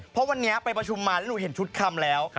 เพราะวันนี้ไปประชุมมาแล้วหนูเห็นชุดคำแล้ว